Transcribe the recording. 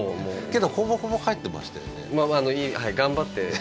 けどほぼほぼ入ってましたよね。